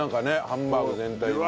ハンバーグ全体に。